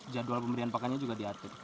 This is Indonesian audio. jadwal pemberian pakannya juga diatur